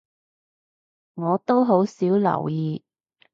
我都好少留意